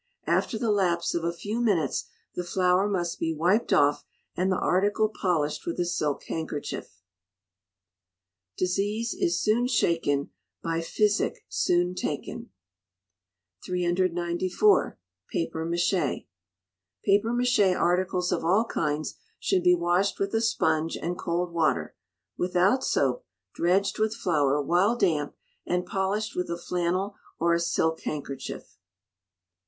After the lapse of a few minutes the flour must be wiped off, and the article polished with a silk handkerchief. [DISEASE IS SOON SHAKEN BY PHYSIC SOON TAKEN.] 394. Papier Maché. Papier Maché articles of all kinds should be washed with a sponge and cold water, without soap, dredged with flour while damp, and polished with a flannel or a silk handkerchief.